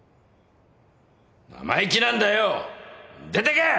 生意気なんだよ。出てけ！